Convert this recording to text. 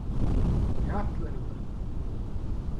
Ne hakları vardı?